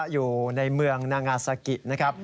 อยู่ในเมืองนางาซากินะครับ